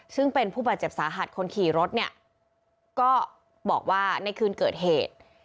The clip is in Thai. ซึ่งเป็นผู้บาดเจ็บสาหัสคนขี่รถเนี่ยก็บอกว่าในคืนเกิดเหตุ